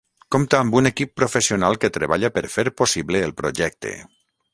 Compta amb un equip professional que treballa per fer possible el projecte.